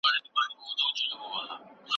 د دي طبقو همکاري هېواد ته ډېره ګټوره وه.